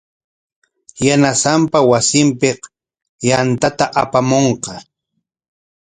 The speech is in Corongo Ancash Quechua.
Yanasanpa wasinpik yantata apamunqa.